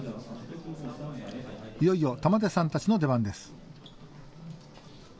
いよいよ玉手さんたちの出番です。